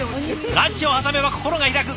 ランチを挟めば心が開く。